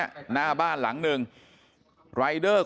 มันต้องการมาหาเรื่องมันจะมาแทงนะ